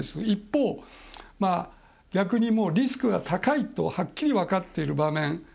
一方、逆にリスクが高いとはっきり分かっている場面。